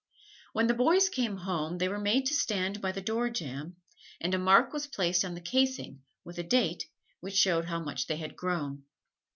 When the boys came home, they were made to stand by the door jamb, and a mark was placed on the casing, with a date, which showed how much they had grown.